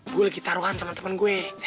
gue lagi taruhan sama temen gue